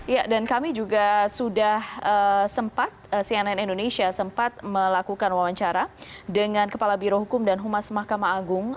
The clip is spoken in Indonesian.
ya dan kami juga sudah sempat cnn indonesia sempat melakukan wawancara dengan kepala birohukum dan humas mahkamah agung